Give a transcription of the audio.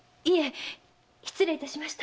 失礼いたしました。